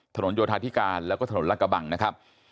ถนนโยธาธิกาแล้วก็ถนนรักบังนะครับ